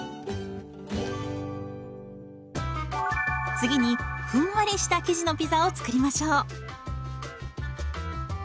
次にふんわりした生地のピザを作りましょう。